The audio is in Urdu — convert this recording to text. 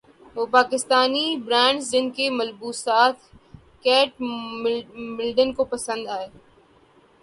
وہ پاکستانی برانڈز جن کے ملبوسات کیٹ مڈلٹن کو پسند ائے